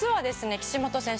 岸本選手